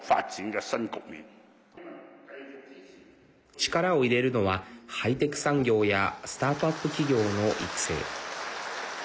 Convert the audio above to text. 力を入れるのはハイテク産業やスタートアップ企業の育成。